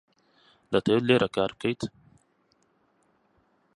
دەتەوێت لێرە کار بکەیت؟